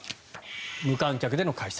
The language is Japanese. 無観客での開催。